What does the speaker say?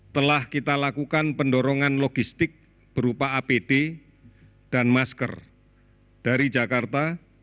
telah kita lakukan pendorongan logistik berupa apd dan masker dari jakarta